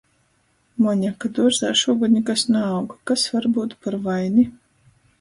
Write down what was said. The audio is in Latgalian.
Moņa, ka duorzā šūgod nikas naaug, kas var byut par vaini?